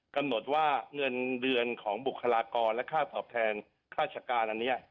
กำหนดว่าเงินเดือนของบุคลากรและค่าตอบแทนค่าชการอันนี้